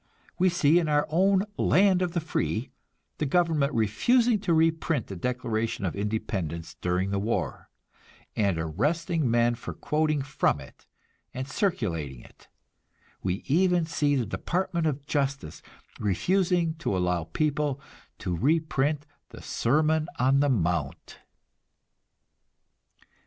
We see, in our own "land of the free," the government refusing to reprint the Declaration of Independence during the war, and arresting men for quoting from it and circulating it; we even see the Department of Justice refusing to allow people to reprint the Sermon on the Mount!